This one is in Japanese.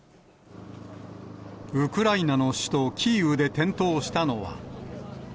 ウクライナの首都キーウで点灯したのは。